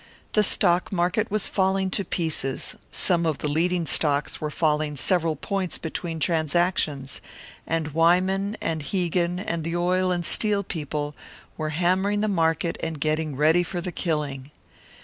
The stock market was falling to pieces some of the leading stocks were falling several points between transactions, and Wyman and Hegan and the Oil and Steel people were hammering the market and getting ready for the killing.